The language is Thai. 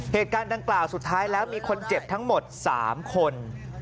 เหตุการณ์ดังกล่าวสุดท้ายแล้วมีคนเจ็บทั้งหมด๓คน